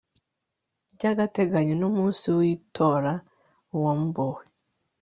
by agateganyo n umunsi w itora uwambuwe